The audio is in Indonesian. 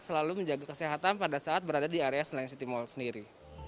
selalu menjaga kesehatan pada saat berada di area senayan city mall sendiri